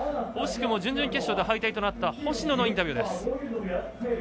惜しくも準々決勝で敗退となった星野のインタビューです。